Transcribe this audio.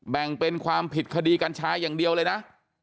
แบ่งเป็นความผิดคดีกัญชาอย่างเดียวเลยนะ